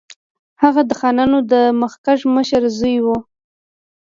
هغه د خانانو د مخکښ مشر زوی وو.